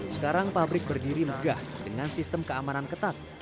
sekarang pabrik berdiri megah dengan sistem keamanan ketat